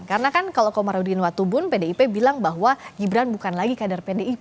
karena kan kalau komarudin watubun pdip bilang bahwa gibran bukan lagi kader pdip